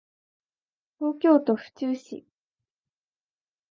東京都府中市